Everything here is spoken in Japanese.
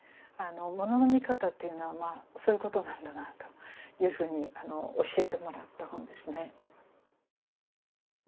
物の見方っていうのはそういうことなんだなというふうに教えてもらった本ですね。